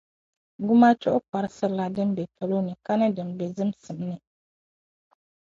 Gumachuɣu pɔrisilila din be palo ni ka din be zimsim ni.